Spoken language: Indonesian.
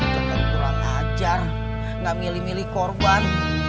coba kurang ajar gak milih milih korban